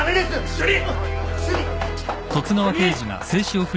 主任！